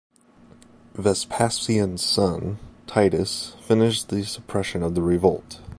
Vespasian's son, Titus finished the suppression of the revolt.